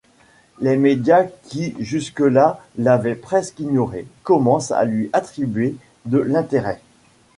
Les médias qui, jusque-là l'avaient presque ignoré, commencent à lui attribuer de l'intérêt.